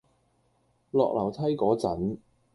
落樓梯嗰陣